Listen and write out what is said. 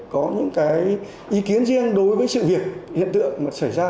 có những cái ý kiến riêng đối với sự việc hiện tượng mà xảy ra